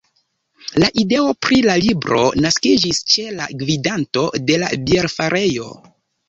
La ideo pri la libro naskiĝis ĉe la gvidanto de la bierfarejo.